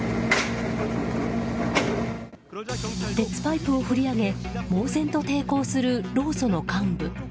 鉄パイプを振り上げ猛然と抵抗する労組の幹部。